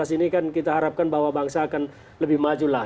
dua ribu sembilan belas ini kan kita harapkan bahwa bangsa akan lebih maju lah